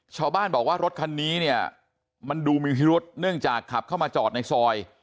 ชาวบ้านบอกว่ารถคันนี้เนี่ยมันดูมีพิรุษเนื่องจากขับเข้ามาจอดในซอย